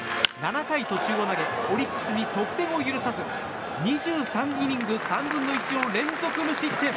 ７回途中を投げオリックスに得点を許さず２３イニング３分の１を連続無失点。